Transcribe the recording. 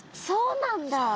そうなんだ。